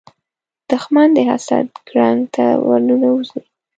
دښمن د حسد ګړنګ ته ورننوځي